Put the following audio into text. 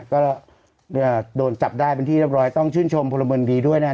ก็โดนจับได้เป็นที่เรียบร้อยต้องชื่นชมพลเมินดีด้วยนะฮะ